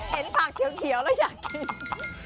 ผักเขียวแล้วอยากกิน